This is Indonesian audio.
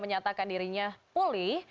menyatakan dirinya pulih